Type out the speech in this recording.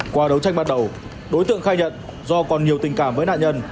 qua đấu tranh bắt đầu đối tượng khai nhận do còn nhiều tình cảm với nạn nhân